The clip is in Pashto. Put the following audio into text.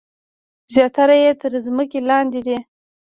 زیاتره یې تر ځمکې لاندې دي.